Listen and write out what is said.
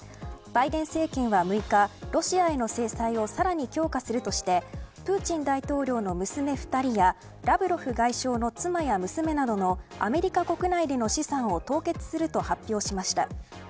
バイデン政権は６日ロシアへの制裁をさらに強化するとしてプーチン大統領の娘２人やラブロフ外相の妻や娘などのアメリカ国内での資産を凍結すると発表しました。